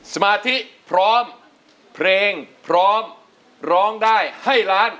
สมาธิพร้อมเพลงพร้อมร้องได้ให้ล้าน